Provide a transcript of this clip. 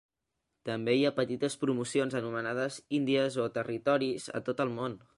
També hi ha petites promocions anomenades "indies" o "territoris" a tot el món.